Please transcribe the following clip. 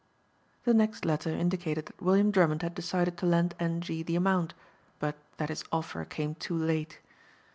The next letter indicated that William Drummond had decided to lend "N.G." the amount but that his offer came too late.